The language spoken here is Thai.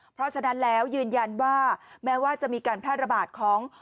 เพราะฉะนั้นแล้วยืนยันว่าแม้ว่าจะมีการแพร่ระบาดของ